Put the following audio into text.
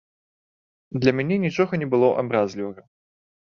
Для мяне нічога не было абразлівага.